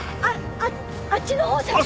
あっあっちのほう捜して。